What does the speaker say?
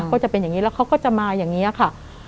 ก็จะเป็นอย่างนี้แล้วเขาก็จะมาอย่างนี้ค่ะ